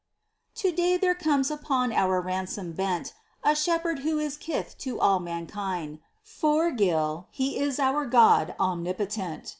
To day there comes upon our ransom bent A Shepherd Who is kith to all mankind, For, Gil, He is our God omnipotent